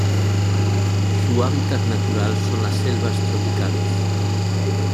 Su hábitat natural son las selvas tropicales.